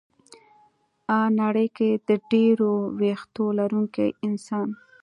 ه نړۍ کې د ډېرو وېښتو لرونکي انسان